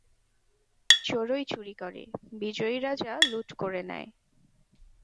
চোরই চুরি করে, বিজয়ী রাজা লুঠ করে নেয়।